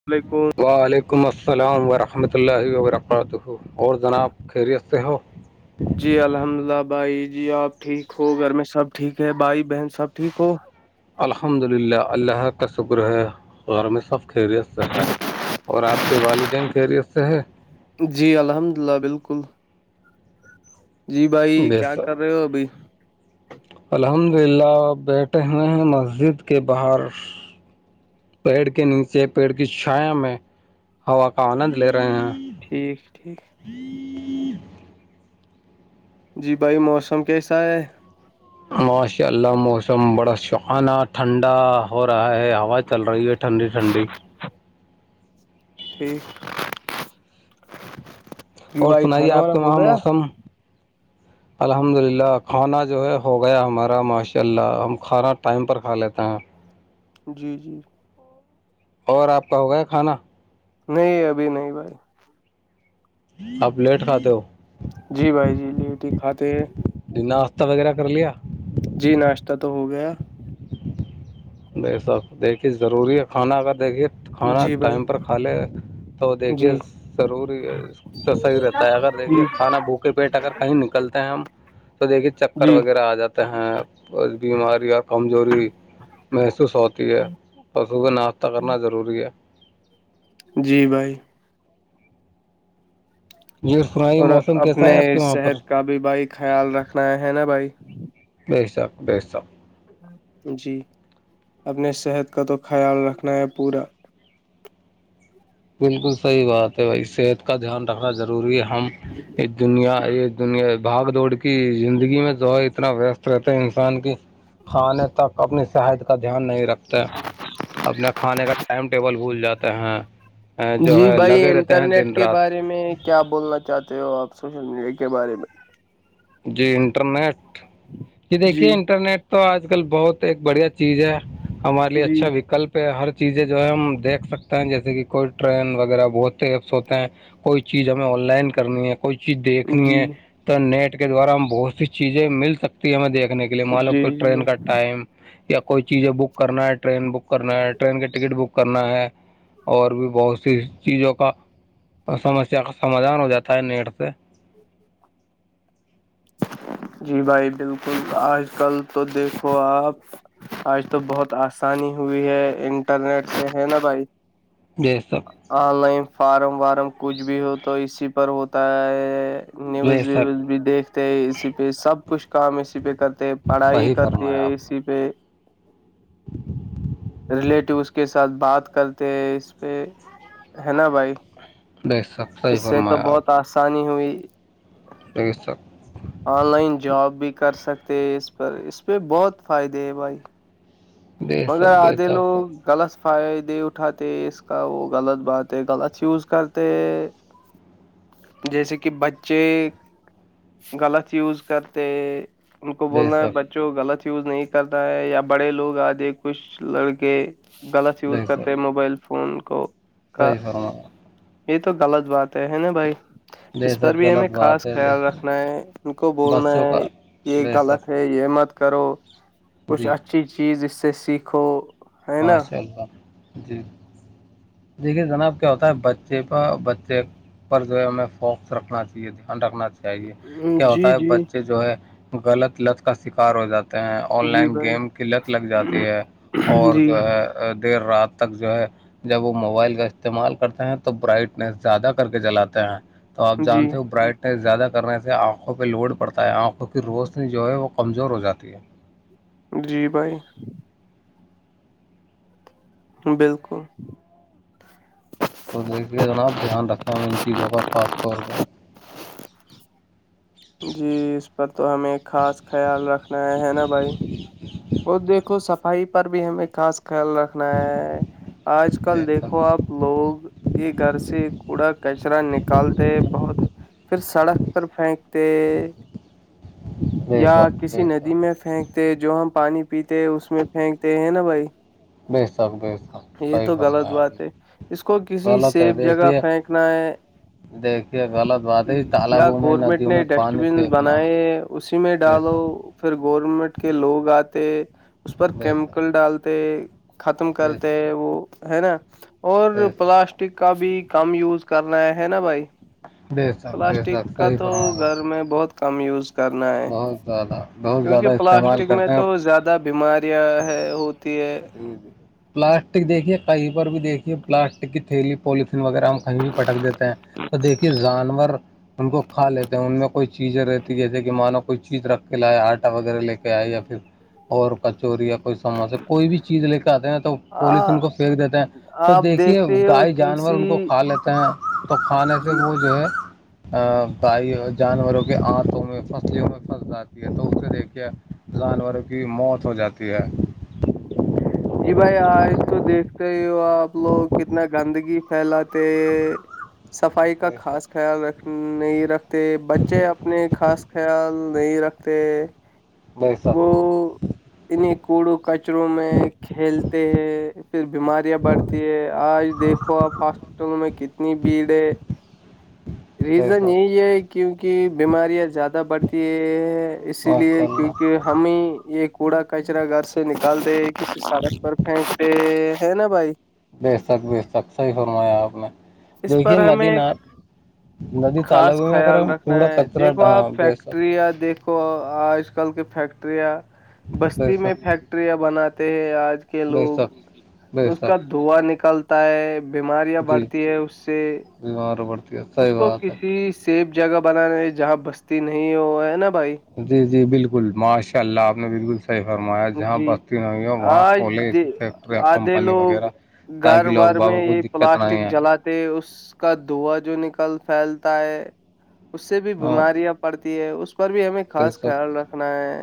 [unintelligible] وعلیکم السلام ورحمۃ اللہ وبرکاتہ اور جناب خیریتے ہو جی الحمد للہ بھائی جی آپ ٹھیک ہو گھر میں سب ٹھیک ہے بھائی بہن سب ٹھیک ہو الحمد للہ اللہ کا شکر ہے غورمصب خیریت سے ہے اور آپ کے والدین خیریت سے ہے جی الحمد للہ بالکل جی بھائی بے کیا کر رہے سب ہو ابھی الحمد للہ آ بیٹھے ہو ہیں مسجد کے باہر پیڑ کے نیچے پیڑ کی چھایا میں ہوا کا آنند لے رہے ہیں ٹھیک ٹھیک جی بھائی موسم کیسا ہے ماشاء اللہ موسم بڑا سحانہ ٹھنڈا ہو رہا ہے ہوا چل رہی ہے ٹنڈی ٹنڈی ہاں ٹھیک جی اور بھائی سنائیے کھانا آپ وانا کے ہو وہاں گیا موسم الحمد للہ کھانا جو ہے ہو گیا ہمارا ماشاء اللہ ہم کھانا ٹائم پر کھا لیتے ہیں جی جی اور آپ کا ہوگیا کھانا نہیں ابھی نہیں بھائی آپ لیٹ کھاات ہو [unintelligible] جی بھائی جی لیٹ کھاتے ہیں ڈہاشتہ وغیرہ کر لیا جی ناشتہ تو ہو گیا نہیںھائی صاب دیکھیے ضروری ہے کھانا اگر دیکھیے تو کھانا جی بھائی ٹائم پر کھا لے تو دیکھیے جی ضروری ہے تو صحیح رہتا ہے اگر جی دیکھیے کھانا بھوکے پیٹ اگر کہیں نکلتے ہیں ہم تو دیکھیے چکر جی وغیرہ آ جاتے ہیں بیماریاں کمزوری محسوس ہوتی ہے پشوں کو ناشتہ کرنا ضروری ہے جی بھائی یہ سنائیے اور موسم کیسا اپنے ہے آپ کے وہاں پر صحت کا بھی بھائی خیال رکھنا ہے نا بھائی بی ساکک بی ساک [unintelligible] جی اپنے صحت کا تو خیال رکھنا ہے پورا بالکل صحیح بات ہے بھائی صحت کا دھیان رکھنا ضروری ہے ہم یہ دنیا یہ دنیا بھاگ دوڑ کی زندگی میں جو اتنا ویست رہتا انسان کی کھانے تک اپنی صحت کا دھیان نہیں رکھتے اپنے کھانے کا ٹائم ٹیبل بھول جاتے ہیں جو جی ہے بھائی لگے رہتے ہیں انٹرنیٹ دن کے رات بارے میں کیا بولنا چاہتے ہو آپ سوشل میڈیا کے بارے میں جی انٹرنیٹ جی دیکھیے انٹرنیٹ تو آج کل بہت ایک بڑھیا چیز ہے ہمار لیے جی اچھا وکلپ پہ ہر چیزیں جو ہے ہم دیکھ سکتے ہیں جیسے کہ کوئی ٹرین وغیرہ بہت ایپس ہوتے ہیں کوئی چیز ہمیں آن لائن کرنی ہے کوئی چیز دیکھنی جی ہے تو نیٹ کے دوارا ہم بہت سی چیزیں مل سکتی ہے ہمیں دیکھنے کا لیے مان لو کو جی جی ٹرین کا ٹائم یا کوئی چیزیں بک کرنا ہے ٹرین بک کرنا ہے ٹرین کے ٹکٹ بک کرنا ہے اور بھی بہت سی چیزوں کا سمسیا کا سمادھان ہو جاتا ہے نیٹ سے جی بھائی بالکل آج کل تو دیکھو آپ آج تو بہت آسانی ہوئی ہے انٹرنیٹ سے ہے نا بھائی جی سب آن لائن فارم وارم کچھ بھی ہو تو اسی پر ہوتا ہے بے نیوز ویوز شک بھی دیکھتے اسی پہ سب کچھ کام اسی پہ کر پڑھائی صحیح کرتی ہے فرمایا آپ نے اسی پہ ریلیٹیو اس کے ساتھ بات کرتے اس پہ ہے نا بھائی بیس سب اس سے تو بہت آسانی ہوئی چیک سا [unintelligible] آن لائن جاب بھی کر سکتے ہیں اس پر اس پہ بہت فائدے ہے بھائی بے مگر شک بے آدے لوگ شک غلط فائدے اٹھاتے اس کا وہ غلط بات ہے غلط یوز کرتے [unintelligible] جیسے کہ بچے غلط یوز کرتے ان کو بے بولنا ہے شک بچوں غلط یوز نہیں کرتا ہے یا بڑے لوگ آگے کچھ لڑکے غلط یوز بے شک کرتے موبائل فون کو کا صحیح فرمایا یہ تو غلط بات ہے ہے نا بھائی بے اس پر شک بھی ہمیں غلط بات خاص ہے خیال دیکھیے رکھنا ہے ان کو بولنا بچوں کا ہے یہ بے شک غلط ہے امت کرو کچھ جی اچھی چیز اس سے سیکھو ہے نا ماشاء اللہ جی دیکھیے جناب کیا ہوتا ہے بچے کا بچے پر جو ہے ہمیں فوکس رکھنا چاہیے دھیان رکھنا چاہیے چاہیے کیا ہوتا جی ہے جی بچے جو ہے غلط لچ کا شکار ہو جاتا ہیں آن جی لائن گیم بھائی قلت لگ جاتی ہے اور جی جو ہے دیر رات تک جو ہے جب وہ موبائل کا استعمال کرتے ہیں تو برائٹنیس زیادہ کر کے جلاتے ہیں تو آپ جی جانتے ہو برائٹنیس زیادہ کرنے سے آنکھوں پہ لوڈ پڑتا ہے آنکھ کیکہ روشنی جو ہے وہ کمزور ہو جاتی ہے جی بھائی بالکل تو دیکھیے جناب دھیان رکھیں ہم ان چیزوں کا خاص طور پہ جی اس پر تو ہمیں خاص خیال رکھنا ہے ہے نا بھائی اور دیکھو صفائی پر بھی ہمیں خاص خیال رکھنا ہے آج بے کل شک دیکھو آپ لوگ یہ گھر سے کوڑا کچرا نکالتے ہیں بہت پھر سڑک پر پھینکتے بے یا شک کسی بے ندی شک میں پھینکتے جو ہم پانی پیتے اس میں پھینکتے ہیں نا بھائی بے شک بے شک یہ صحیح تو غلط فرمایا آپ بات نے ہے اس کو کسی غلط ہے سیب جگہ دیکھیے پھینکنا ہے دیکھیے غلط بات ہے یا تالابوں میں گورمنٹ ندیوں نے میں ڈسٹ پانی بین پھینکنا بنائے اسی میں بے ڈالو شک پھر گورنمنٹ کے لوگ آتے اس پر بے کیمیکل شک ڈالتے ختم بے کرتے شک وہ ہے نا اور بے شک پلاسٹک کا بھی کم یوز کرنا ہے ہے نا بھائی بے شک بے شک پلاسٹک کا صحیح تو فرمایا آپ گھر نے میں بہت کم یوز کرنا ہے بہت زیادہ بہت زیادہ کیونکہ استعمال پلاسٹک میں کرتے تو ہیں زیادہ بیماریاں ہے ہوتی ہے پلاسٹک دیکھیے کہیں پر بھی دیکھیے پلاسٹک کی تھیلی پولیتن وغیرہ ہم کہیں بھی پٹک دیتے ہیں تو دیکھیے جانور ان کو کھا لیتے ہیں ان میں کوئی چیزیں رہتی جیسے کہ مانو کوئی چیز رکھ کے لایا آٹا وغیرہ لے کے آئے یا پھر اور کچوری یا کوئی س کوئی بھی چیز لے کے آتے ہیں تو آ پولیتن کو پھینک دیتے ہیں تو آپ دیکھیے دیکھتے ہی ہو گائے جانور کسی ان کو کھا لیتے ہیں تو کھانے جی سے وہ جو ہے بائی جانوروں کے آنتوں میں فصلوں میں پھنس جاتی ہے تو اسے دیکھ کے جانور کی موت ہو جاتی ہے جی بھائی آج تو دیکھتے ہی ہو آپ لوگ کتنا گندگی پھیلاتے صفائی کا اچھا خاص خیال رکھ نہیں رکھتے بچے اپنے خاص خیال نہیں رکھتے نہیں سب وہ انہیں کوڑو کچروں میں کھیلتے ہیں پھر بیماریاں بڑھتی ہے آج دیکھو آپ ہاس تو میں کتنی بھیڑ ہے بے ریزن شک یہی ہے کیونکہ بیماریاں زیادہ بڑھتی اسی ماشاء لیے اللہ کیونکہ ہمیں یہ کوڑا کچرا گھر سے نکالتے کسی سڑک پر پھینکتے ہیں نا بھائی بے تک بے تک صحیح فرمایا آپ نے اس دیکھی پر ندی ہمیں نات ند تال گ خاص ہو میں کرا خیال رکھنا پڑا کچراٹ ہاں بیس کو آج کل کے فیکٹریاں بے بستی میں شک فیکٹریاں بناتے ہیں آج کے بے لوگ شک بے اس کا شک دھواں نکلتا ہے بیماریاں جی بڑھتی ہے اس سے ہ بیمار پڑتا اس کو کسی سیب جگہ بنانا ہے جہاں بستی نہیں ہوا ہے نا بھائی جی جی بالکل ماشاء اللہ آپ نے بالکل صحیح فرمایا جہاں جی بستی نہیں ہوئی ہو وہاں آج کھولےسی دے- فیکٹریاں آدھے کمپنی لوگ وغیرہ گھر تاکہ وور لوگ باغوں میں کو یہ دقت نہیں پلاسٹک آئے جلا اس کا دھو جو نکل پھیلتا ہے اس سے بھی ہاں بیماریاں پڑتی ہے اس پر بھی ہمیں بے خاص شک خیال رکھنا ہے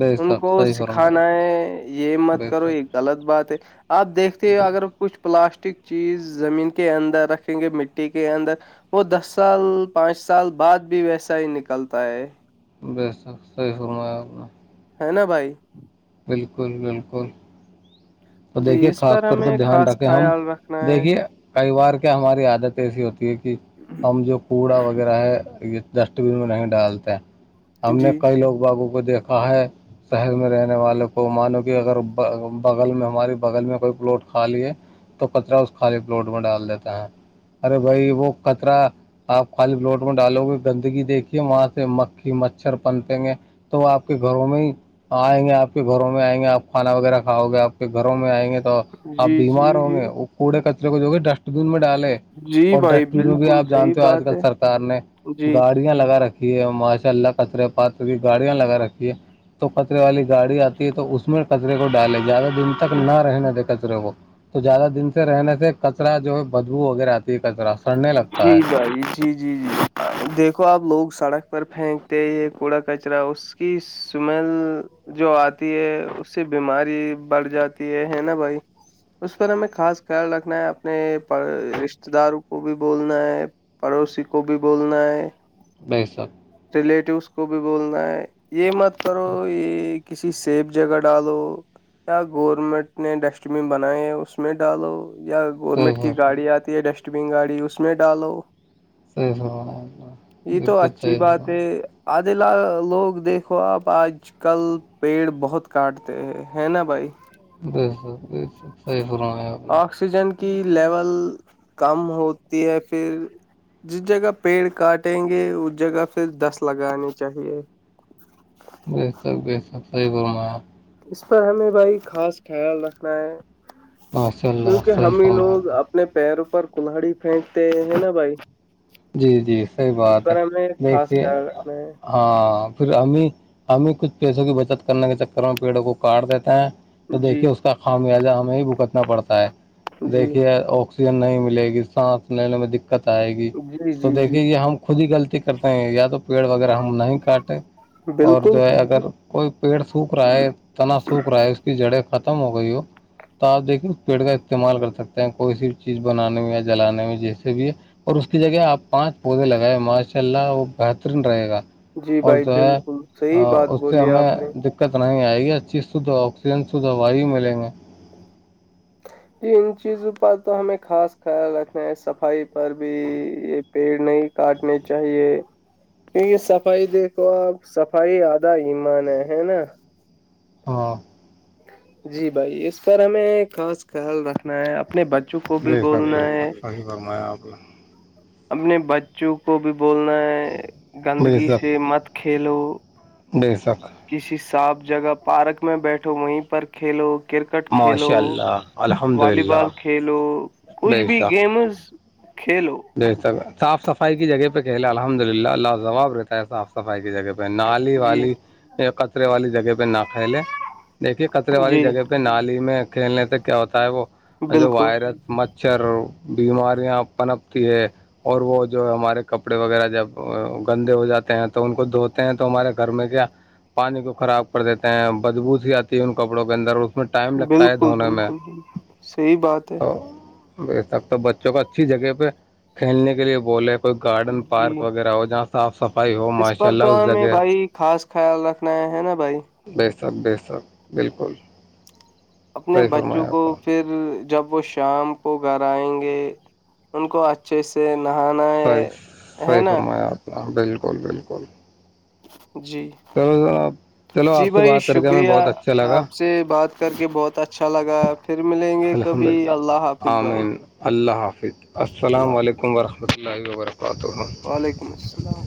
بے ان شک کو صحیح فرمایا دکھانا آپ نے ہے یہ مت بے کرو یہ غلط بات ہے آپ دیکھتے ہو شک اگر کچھ پلاسٹک چیز زمین کے اندر رکھیں گے مٹی کے اندر وہ دس سال پانچ سال بعد بھی ویسا ہی نکلتا ہے بسک صی ہوما اپنا ہے نا بھائی بالکل بالکل تو جی دیکھیے اس خاص پر طور پہ ہمیں دھیان خاص رکھے ہم خیال رکھنا دیکھیے ہے کئی بار کیا ہماری عادت ایسی ہوتی ہے کہ ہم جو کوڑا وغیرہ ہے یہ ڈسٹ بین میں نہیں ڈالتے ہم نے جی کئی لوگ بابو کو دیکھا ہے شہر میں رہنے والوں کو مانو کہ اگر بغل میں ہو ہمارے بغل میں کوئی پلٹ کھا لیے تو کچرا اس خالی پلٹ میں ڈال دیتے ہیں ارے بھائی وہ کطرا آپ خالی پلوٹ میں ڈالو گے گندگی دیکھیے وہاں سے مکھی مچھر پن پیں گے تو آپ کے گھروں میں ہی آئیں گے آپ کے گھروں میں آئیں گے آپ کھانا وغیرہ کھاؤ گے آپ گھروں میں آئیں گے تو آپ جی جی بیمار ہوں جی گے وہ کوڑے کچرے کو جو ڈسٹ ڈسٹ بین میں ڈالے جی اور بھائی ڈسٹین ر بھی بالکل آپ صحیح جانتے ہو آج بات کل ہے سرکار نے جی گاڑیاں لگا رکھی ر ماشاء اللہ کطرے پات کی گاڑیاں لگا رکھی ہے تو کچرے والی گاڑی آتی ہے تو اس میں کچرے کو ڈالے زیادہ دور تک نہ رہنے دے کچرے کو تو زیادہ دن سے رہنے سے کچرا جو ہے بدبو وغیر آتا کاچرا سڑنے لگتا جی ہے بھائی جی جی جی دیکھو آپ لوگ سڑک پر پھینکتے یہ کوڑا کچرا اس کی سمیل جو آتی ہے اس سے بیماری بڑھ جاتی ہے ہے نا بھائی اس پر ہمیں خاص خیال رکھنا ہے اپنے رش داروں کو بھی بولنا ہے پڑوسی کو بھی بولنا ہے بیسب ریلیٹیوس کو بھی بولنا ہے یہ مت کرو یہ کسی سیب جگہ ڈالو یا گورنمنٹ نے ڈسٹ بین بنائے اس میں ڈالو یا گورنمنٹ صحیح کی گاڑی آتی ہے ڈسٹ بین گاڑی اس میں ڈالو صحیح فرمایا آپ نے یہ تو بالکل اچھی صحیح بات ہے فرمایا آد لوگ دیکھو آپ آج آج کل پیڑ بہت کاٹتے ہیں ہے نا بھائی بی سر بی سر آکسیجن کی لیول کم ہوتی ہے پھر جس جگہ پیڑ کاٹیں گے اس جگہ پھر دس لگانی چاہیے سب سب صح بولے اپ اس پر ہمیں بھائی خاص خیال رکھنا ہے ماشاء اللہ کیونکہ صحیح ہمیں فرمایا لوگ آپ نے اب اپنے پیر پر کلہڑی پھینکتے ہیں نا بھائی جی جی صحیح اس بات ہے پر ہمیں خاص دیکھیے خیال رکھنا ہے ہاں پھر ہمیں ہمیں کچھ پیسوں کی بچت کرنے کے چکر میں پیڑوں کو کاٹ دیتے ہیں تو جی دیکھیے اس کا خامیازہ ہمیں بھگتنا پڑتا ہے جی دیکھیےک میں نہیں ملےی سانس لینے میں دقت آئے گی جی تو جی جی دیکھیے یہ ہم خود ہی غلطی کرتے ہیں یا تو پیڑ وغیرہ ہم نہیں کاٹے اور جو بالکل ہے اگر کوئی پیڑ سوکھ رہا ہے تنا سوکھ رہا ہے اس کی جڑیں ختم ہو گئی ہو تو آپ دیکھیے اس پیڑ کا استعمال کر سکتے ہیں کوئی سی بھی چیز بنانے میں یا جلانے میں جیسے بھی اور اس کی جگہ آپ پانچ پودے لگائےیں ماشاء اللہ وہ بہترین رہے گا جی اور بھائی جو ہے بالکل صحیح بات اس سے بولی ہمیں آپ نے دقت آئے گی ا چیز شدھ آکسیجن شھ دوائی ملیں گے یہ ان چیزوں پر تو ہمیں خاص خیال رکھنا ہے صفائی پر بھی یہ پیڑ نہیں کاٹنے چاہیے کیہ صفائی دیکھو آپ صفائی آدھا ایمان ہے ہے نا ہاں جی بھائی اس پر ہمیں خاص خیال رکھنا ہے اپنے بچوں کو بھی بولنا ہے بگرمایا آپ اپنے بچوں کو بھی بولنا ہے گندگی سے مت کھیلو دے سک کسی صاف جگہ پارک میں بیٹھو وہیں پر کھیلو کرکٹ کھیلو ماشاء اللہ الحمد والی للہ بال کھیلو کچھ بے بھی شک گیمز کھیلو بہتر صاف صفائی کی جگہ پہ کہہلے الحمد للہ اللہ اب رہتا ہے صاف صفائی کی جگہ پہ نالی جی والی کچرے والی جگہ پہ نہا کھیلے دیکھیے کطرے والی جی جگہ پہ نالی میں کھیلنے سے کیا ہوتا ہے وہ جو بالکل وائرس مچھر بیماریاں پنپتی ہے اور وہ جو ہمارے کپڑے وغیرہ جب گندے ہو جاتے ہیں تو ان کو دھوتے ہیں تو ہمارے گھر میں کیا پانی کو خراب کر دیتے ہیں بجبوط ہی آتی ہے ان کپڑوں کے اندر اس میں ٹائم لگتا ہے بالکل بالکل دھونے میں بالکل صحیح بات ہے تو وسک تو بچوں کو اچھی جگہ پہ کھیلنے کے لیے بولے کوئی گارڈن جی پارک وغیرہ ہو جہاں صاف صفائی ہو اس ماشاء پر اللہ تو اس ہمیں جگہ بھائی خاص خیال رکھنا ہے نا بھائی بے سب بے سب بالکل اپنے صحیح بچوں فرمایا کو آپ نے پھر جب وہ شام کو گھر آئیں گے ان کو ا اچھے سے نہانا ہے ہے نا ہاں بالکل بالکل جی چلو چلو آپ جی سے بھائی بات کر کے ہمیں شکریہ بہت اچھا لگا آپ سے بات کر کے بہت اچھا لگا ہے پھر ملیں گے الحمد کبھی للہ اللہ حافظ بھائی آمین اللہ حافظ اللہ السلام حافظ، علیکم ورحمۃ اللہ و برکاتہ وعلیکم السلام